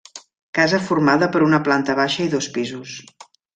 Casa formada per una planta baixa i dos pisos.